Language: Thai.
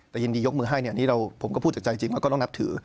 แต่ยินดียกมือให้เนี่ยผมก็พูดจากใจจริงแล้วก็ต้องนับถือ